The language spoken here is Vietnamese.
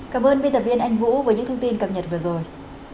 cảm ơn biên tập viên anh vũ với những thông tin cập nhật vừa rồi